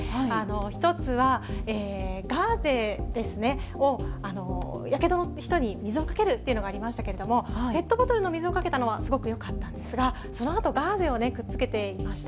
１つはガーゼを、やけどの人に水をかけるというのがありましたけども、ペットボトルの水をかけたのはすごくよかったんですが、そのあと、ガーゼをくっつけていました。